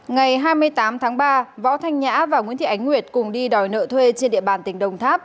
ngày hai mươi tám tháng ba võ thanh nhã và nguyễn thị ánh nguyệt cùng đi đòi nợ thuê trên địa bàn tỉnh đồng tháp